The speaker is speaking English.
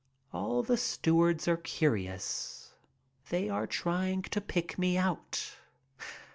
All the stewards are curious. They are trying to pick me out.